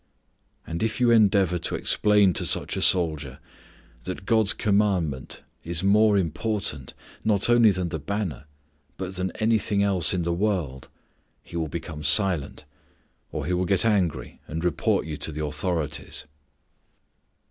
And if you endeavor to explain to such a soldier that God's Commandment is more important not only than the banner but than anything else in the world, he will become silent, or he will get angry and report you to the authorities.